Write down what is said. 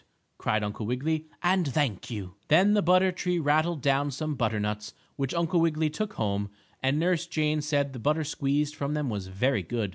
cried Uncle Wiggily, "and thank you." Then the butter tree rattled down some butternuts, which Uncle Wiggily took home, and Nurse Jane said the butter squeezed from them was very good.